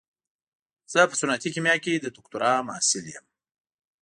زه په صنعتي کيميا کې د دوکتورا محصل يم.